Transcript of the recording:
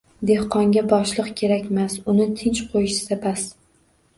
Dehqonga boshliq kerakmas, uni tinch qo‘yishsa bas!